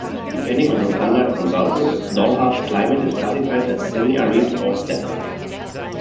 Depending on the standard consulted, Dalhart's climate is classified as "semi-arid" or "steppe".